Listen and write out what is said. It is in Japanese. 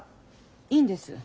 いいんです。